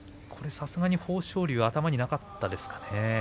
さすがに豊昇龍は頭になかったですかね。